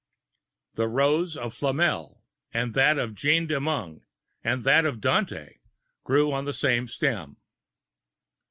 The Rose of Flamel, that of Jean de Meung, and that of Dante, grew on the same stem.